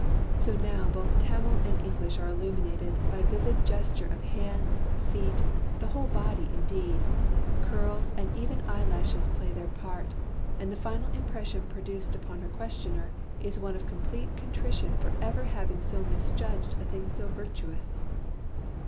So now both Tamil and English are illuminated by vivid gesture of hands, feet, the whole body indeed; curls and even eyelashes play their part, and the final impression produced upon her questioner is one of complete contrition for ever having so misjudged a thing so virtuous.